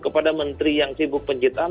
kepada menteri yang sibuk penciptaan